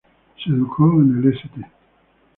Se educó en el St.